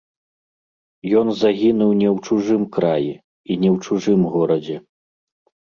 Ён загінуў не ў чужым краі, і не ў чужым горадзе.